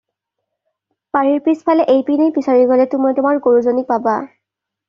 বাৰীৰ পিছফালে এই পিনেই বিচাৰি গ'লে তুমি তোমাৰ গৰুজনী পাবা।